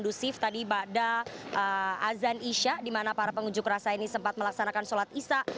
di sekitar wilayah slipik